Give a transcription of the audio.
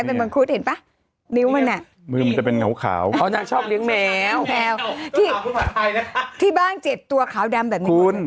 ต้องมีผาวภัยนะครับที่บ้านเจ็ดตัวขาวดำแบบนี้